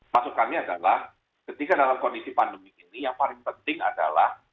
maksud kami adalah ketika dalam kondisi pandemi ini yang paling penting adalah